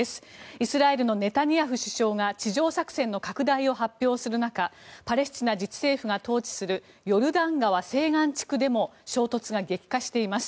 イスラエルのネタニヤフ首相が地上作戦の拡大を発表する中パレスチナ自治政府が統治するヨルダン川西岸地区でも衝突が激化しています。